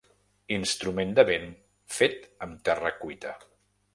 Instrument de vent fet amb terra cuita.